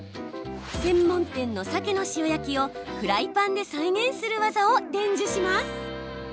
専門店のサケの塩焼きをフライパンで再現する技を伝授します。